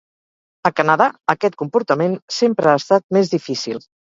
A Canadà, aquest comportament sempre ha estat més difícil.